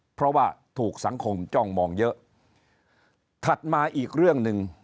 เพราะว่าถูกสังคมจ้องมองเยอะถัดมาอีกเรื่องหนึ่ง